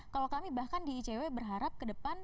kalau kami bahkan di icw berharap ke depan